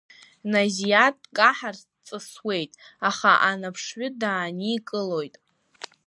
Назиа дкаҳарц дҵысуеит, аха Анаԥшҩы дааникылоит.